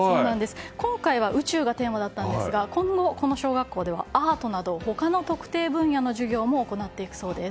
今回は宇宙がテーマだったんですが今後、この小学校ではアートなど他の特定分野の授業も行っていくそうです。